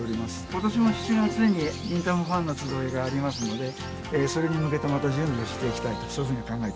今年も７月に「忍たま」ファンの集いがありますのでそれに向けてまた準備をしていきたいとそういうふうに考えております。